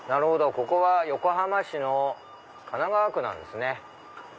ここが横浜市の神奈川区なんですね。